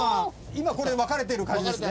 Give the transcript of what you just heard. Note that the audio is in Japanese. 今これ分かれてる感じですね。